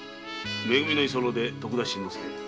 「め組」の居候で徳田新之助。